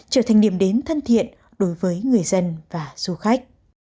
trở thành điểm đến thân thiện đối với người dân và du khách